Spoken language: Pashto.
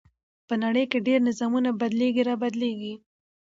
په نړۍ کې ډېر نظامونه بدليږي را بدلېږي .